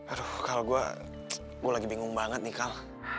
aduh kalau gue lagi bingung banget nih kal